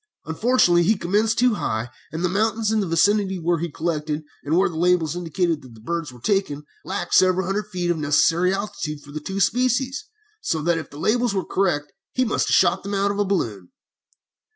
Unfortunately he commenced too high, and the mountains in the vicinity where he collected, and where the labels indicated that the birds were taken, lacked several hundred feet of the necessary altitude for two of the species, so that if his labels were correct he must have shot them out of a balloon.